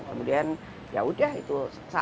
kemudian ya udah itu